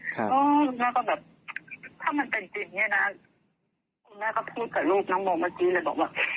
แล้วแม่ก็แบบถ้ามันเป็นจริงเนี่ยนะคุณแม่ก็พูดกับลูกน้องโมเมื่อกี้เลยบอกว่า